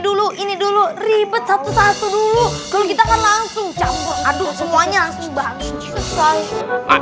dulu ini dulu ribet satu satu dulu kalau kita kan langsung campur aduh semuanya langsung bahan